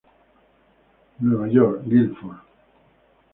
New York: Guilford.